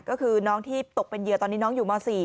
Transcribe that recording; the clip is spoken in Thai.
ก็คือน้องที่ตกเป็นเหยื่อตอนนี้น้องอยู่ม๔